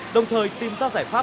đồng thời tìm ra giải pháp